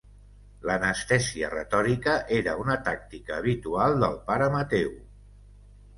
L'anestèsia retòrica era una tàctica habitual del pare Mateu.